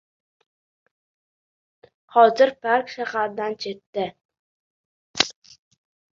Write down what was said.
Hozir park shahardan chetda